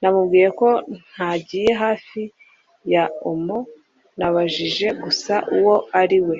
namubwiye ko ntagiye hafi ya am-o; nabajije gusa uwo ari we